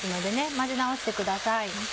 混ぜ直してください。